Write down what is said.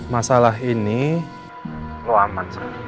masalah ini lo aman